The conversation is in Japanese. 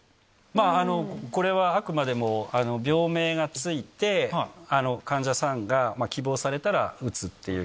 まあ、これはあくまでも病名が付いて、患者さんが希望されたら打つっていう。